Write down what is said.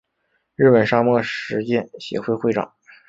日本沙漠实践协会会长。